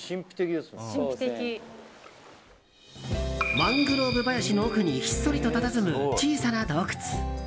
マングローブ林の奥にひっそりとたたずむ小さな洞窟。